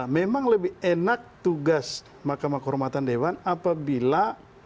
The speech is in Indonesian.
memang lebih enak tugas mahkamah kehormatan dewan apabila